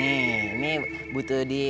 ini butuh di